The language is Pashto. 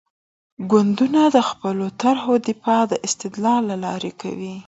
ګوندونه د خپلو طرحو دفاع د استدلال له لارې کوي.